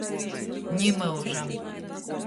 Ni myužam!